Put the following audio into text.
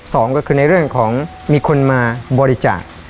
สองก็คือในเรื่องของมีคนมาบริจาค